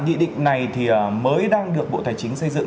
nghị định này mới đang được bộ tài chính xây dựng